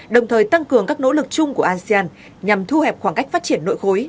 đồng thời tăng cường các nỗ lực chung của asean nhằm thu hẹp khoảng cách phát triển nội khối